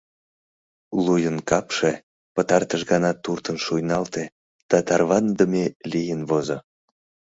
Луйын капше пытартыш гана туртын шуйналте да тарваныдыме лийын возо.